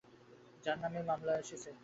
যার মানে আবারও সময় হয়েছে।